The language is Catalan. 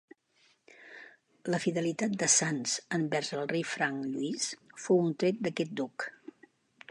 La fidelitat de Sanç envers el rei franc Lluís fou un tret d'aquest duc.